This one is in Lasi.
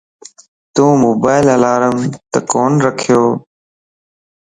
تو موبائل الارمت ڪون رکيو؟